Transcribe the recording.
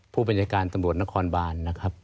ผู้บัญชาการตำรวจนครบานนะครับ